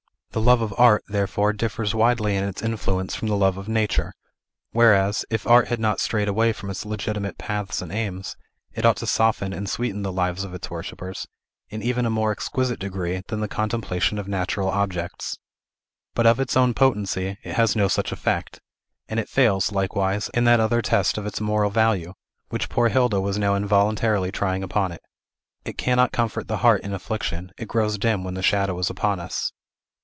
The love of art, therefore, differs widely in its influence from the love of nature; whereas, if art had not strayed away from its legitimate paths and aims, it ought to soften and sweeten the lives of its worshippers, in even a more exquisite degree than the contemplation of natural objects. But, of its own potency, it has no such effect; and it fails, likewise, in that other test of its moral value which poor Hilda was now involuntarily trying upon it. It cannot comfort the heart in affliction; it grows dim when the shadow is upon us.